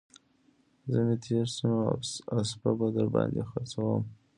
زمى تېر سي نو اسپه به در باندې خرڅوم